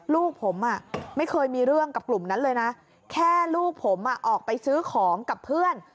ลูกผมไม่เคยมีเรื่องกับกลุ่มนั้นเลยนะแค่ลูกผมออกไปซื้อของกับเพื่อน